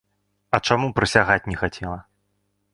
А чаму прысягаць не хацела?